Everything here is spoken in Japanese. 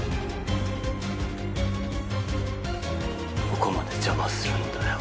どこまで邪魔するんだよ。